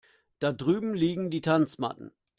Da drüben liegen die Tanzmatten.